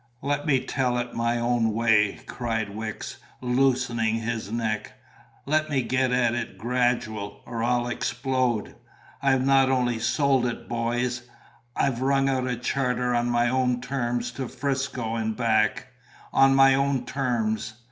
"Let me tell it my own way," cried Wicks, loosening his neck. "Let me get at it gradual, or I'll explode. I've not only sold it, boys, I've wrung out a charter on my own terms to 'Frisco and back; on my own terms.